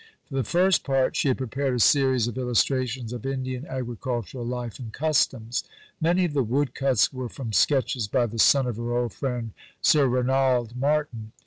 For the first Part she had prepared a series of illustrations of Indian agricultural life and customs. Many of the woodcuts were from sketches by the son of her old friend, Sir Ranald Martin.